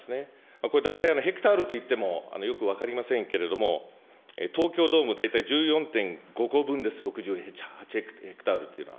これ、大体ヘクタールといってもよく分かりませんけれども、東京ドーム大体１４．５個分です、６８ヘクタールっていうのは。